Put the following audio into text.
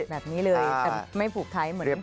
แบบนี้เลยแต่ไม่ผูกไทยเหมือน